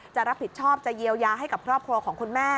จะรับผิดชอบจะเยียวยาให้กับครอบครัวของคุณแม่